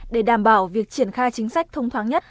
để đảm bảo việc triển khai chính sách thông thoáng nhất